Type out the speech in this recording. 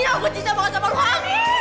ya aku cinta banget sama lo honey